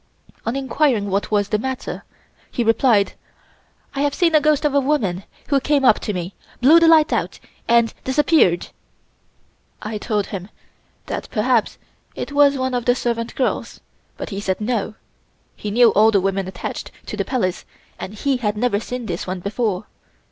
On inquiring what was the matter, he replied: "I have seen a ghost: a woman, who came up to me, blew the light out and disappeared." I told him that perhaps it was one of the servant girls, but he said "No"; he knew all the women attached to the Palace and he had never seen this one before.